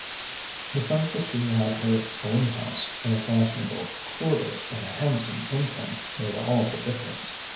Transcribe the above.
The fact that she had her own house in a fashionable quarter, and a handsome income, made all the difference.